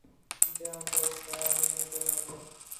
امتحان کا وقت آیا‘ ملنے کو نہ ملے۔